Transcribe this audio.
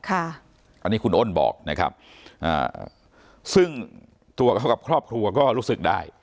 อันนี้คุณอ้นบอกนะครับซึ่งตัวเขากับครอบครัวก็รู้สึกได้